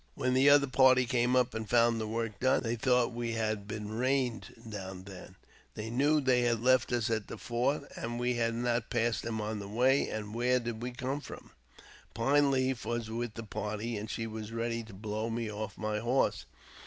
When the other party came up and found the work done, they thought we had been rained down there. They knew they had left us at the fort, and we had not passed them on the way, and where did we come from ? Pine Leaf was with the party, and she was ready to blow me off my horse.